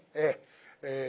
ええ。